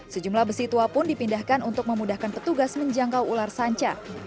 sejumlah besi tua pun dipindahkan untuk memudahkan petugas menjangkau ular sanca